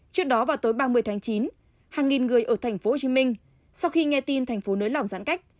trước đó vào tối ba mươi tháng chín hàng nghìn người ở tp hcm sau khi nghe tin thành phố nới lỏng giãn cách